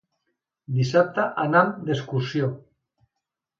Dissabte anam d'excursió.